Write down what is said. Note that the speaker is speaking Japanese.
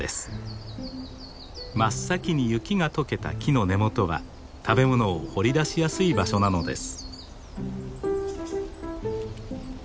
真っ先に雪が解けた木の根元は食べ物を掘り出しやすい場所なのです。